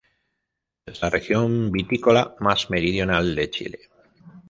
Es la región vitícola más meridional de Chile.